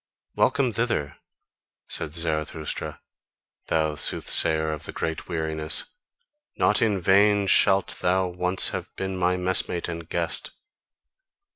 "Welcome hither," said Zarathustra, "thou soothsayer of the great weariness, not in vain shalt thou once have been my messmate and guest.